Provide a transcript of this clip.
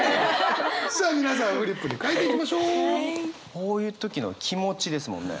こういう時の気持ちですもんね。